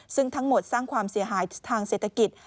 ซึ่งทั้งหมดสร้างความเสียหายทางเศรษฐกิจ